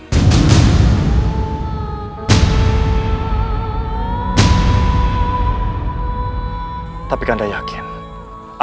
untuk menyelamatkan putra kita